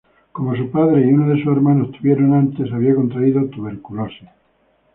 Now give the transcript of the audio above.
Como su padre y uno de sus hermanos tuvieron antes, había contraído tuberculosis.